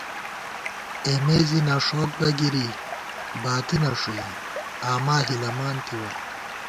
اېمےزی نَݭوت بہ گِری باتی نݭُوئی، آماہِلَمان تِوَہ